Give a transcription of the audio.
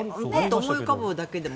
思い浮かぶだけでも。